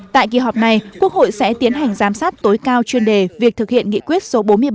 tại kỳ họp này quốc hội sẽ tiến hành giám sát tối cao chuyên đề việc thực hiện nghị quyết số bốn mươi bảy